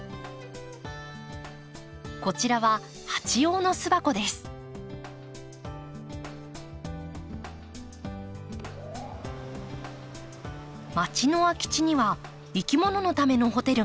こちらは街の空き地にはいきもののためのホテルがあります。